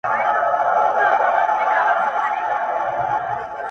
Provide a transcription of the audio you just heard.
• مړاوي یې سترگي.